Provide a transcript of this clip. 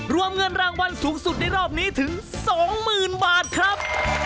รวมเงินรางวัลสูงสุดในรอบนี้ถึง๒๐๐๐บาทครับ